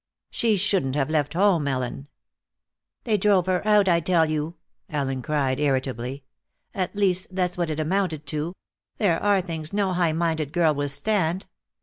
"She shouldn't have left home, Ellen." "They drove her out, I tell you," Ellen cried, irritably. "At least that's what it amounted to. There are things no high minded girl will stand.